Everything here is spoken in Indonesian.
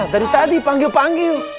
dari tadi panggil panggil